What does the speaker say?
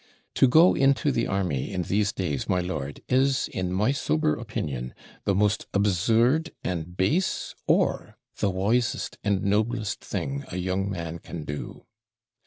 To go into the army in these days, my lord, is, in my sober opinion, the most absurd and base, or the wisest and noblest thing a young man can do.